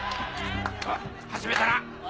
おっ始めたな！